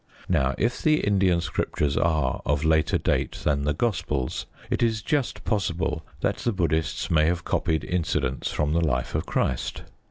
Now, if the Indian Scriptures are of later date than the Gospels, it is just possible that the Buddhists may have copied incidents from the life of Christ.